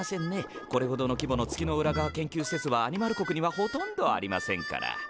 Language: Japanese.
これほどの規模の月の裏側研究施設はアニマル国にはほとんどありませんから。